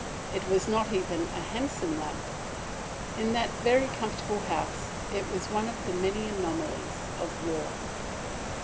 It was not even a handsome lamp. In that very comfortable house it was one of the many anomalies of war.